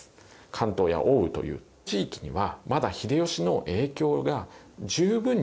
関東や奥羽という地域にはまだ秀吉の影響が十分に及んでるわけではない。